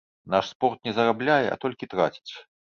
Наш спорт не зарабляе, а толькі траціць.